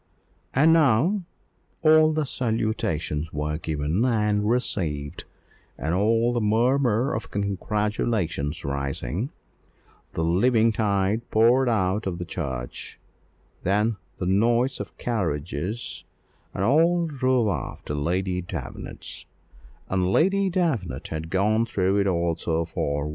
And now all the salutations were given and received, and all the murmur of congratulations rising, the living tide poured out of the church; and then the noise of carriages, and all drove off to Lady Davenant's; and Lady Davenant had gone through it all so far, well.